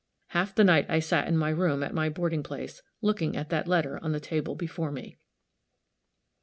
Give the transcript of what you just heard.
Half the night I sat in my room at my boarding place, looking at that letter on the table before me.